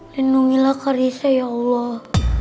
lindungilah kak risa ya allah